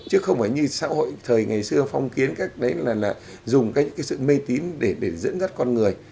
chứ không phải như xã hội thời ngày xưa phong kiến cách đấy là dùng cái sự mê tín để dẫn dắt con người